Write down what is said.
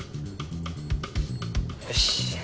よし！